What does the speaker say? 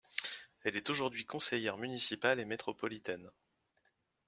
Elle est aujourd'hui conseillère municipale et métropolitaine.